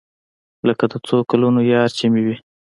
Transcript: لکه د څو کلونو يار چې مې وي.